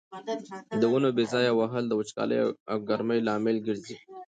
د ونو بې ځایه وهل د وچکالۍ او ګرمۍ لامل ګرځي.